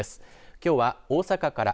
きょうは大阪から。